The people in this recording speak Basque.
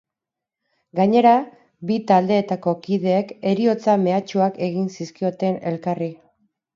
Gainera, bi taldeetako kideek heriotza mehatxuak egin zizkioten elkarri.